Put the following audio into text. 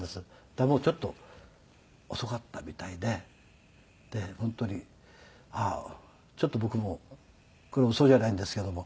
でもちょっと遅かったみたいでで本当にちょっと僕もこれウソじゃないんですけども。